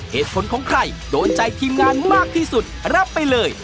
เหตุผลของใครโดนใจทีมงานมากที่สุดรับไปเลย